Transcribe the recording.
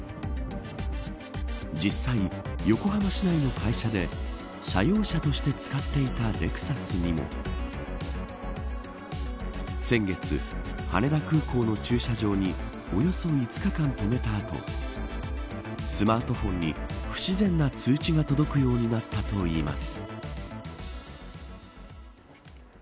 実際、横浜市内の会社で社用車として使っていたレクサスにも先月、羽田空港の駐車場におよそ５日間、とめた後スマートフォンに不自然な通知が届くようになったといいます。